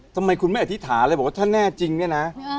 ทำไมคุณไม่อธิษฐานเลยบอกว่าถ้าแน่จริงเนี่ยนะ